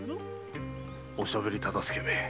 おしゃべり大岡め。